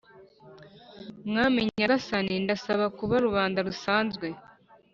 mwami nyasani ndasaba kuba rubanda rusanzwe